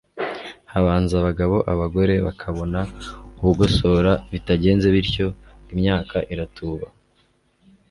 Habanza abagabo abagore bakabona ubugosora, bitagenze bityo ngo imyaka iratuba